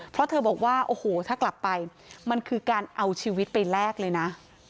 เพราะเธอบอกว่าโอ้โหถ้ากลับไปมันคือการเอาชีวิตไปแลกเลยนะ